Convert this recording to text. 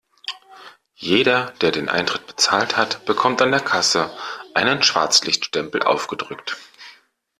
Jeder, der den Eintritt bezahlt hat, bekommt an der Kasse einen Schwarzlichtstempel aufgedrückt.